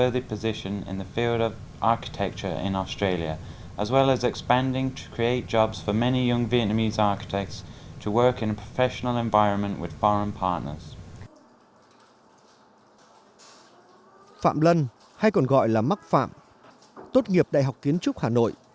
tốt nghiệp đại học kiến trúc hà nội